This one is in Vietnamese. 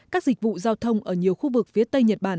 các dịch vụ giao thông ở nhiều khu vực phía tây nhật bản